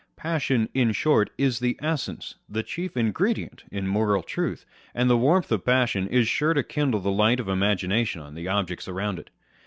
Passion, in short, is the essence, the chief ingre dient in moral truth ; and the warmth of passion is sure to kindle the light of imagination on the objects around it.